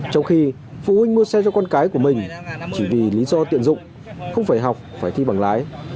trong khi phụ huynh mua xe cho con cái của mình chỉ vì lý do tiện dụng không phải học phải thi bằng lái